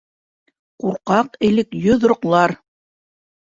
Ҡурҡаҡ элек йоҙроҡлар.